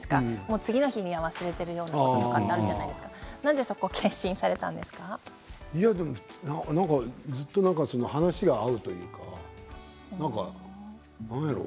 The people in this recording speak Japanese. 次の日には忘れているようなことってあるじゃないですかずっと話が合うというか何やろう？